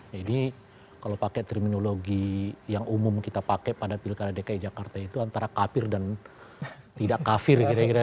jadi kalau pakai terminologi yang umum kita pakai pada pilihan dki jakarta itu antara kafir dan tidak kafir